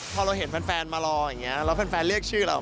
พอเราเห็นแฟนมารออย่างนี้แล้วแฟนเรียกชื่อเรา